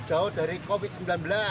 jauh dari covid sembilan belas